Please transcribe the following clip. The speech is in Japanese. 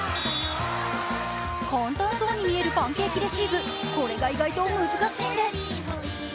簡単そうに見えるパンケーキレシーブ、これが意外と難しいんです。